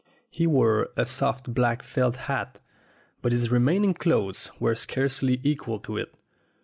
He wore a soft black felt hat, but his remaining clothes were scarcely equal to it.